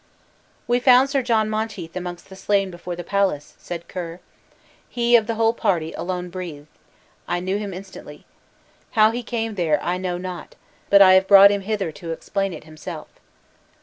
"We found Sir John Monteith amongst the slain before the palace," said Ker; "he, of the whole party, alone breathed; I knew him instantly. How he came there I know not; but I have brought him hither to explain it himself."